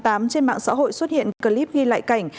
trên mạng xã hội xuất hiện clip ghi lại cảnh